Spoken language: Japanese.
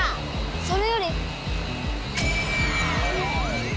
それより！